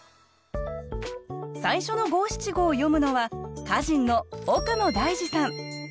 最初の５７５を詠むのは歌人の岡野大嗣さん。